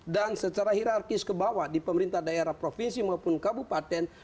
dan secara hirarkis kebawah di pemerintah daerah provinsi maupun kabupaten